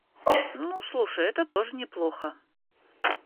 Ну, слушай, это тоже неплохо.